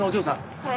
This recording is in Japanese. はい。